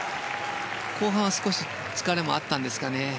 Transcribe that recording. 後半は少し疲れもあったんですかね。